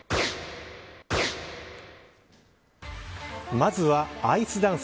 まずはアイスダンス。